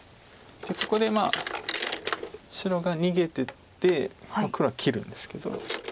ここで白が逃げてって黒は切るんですけど。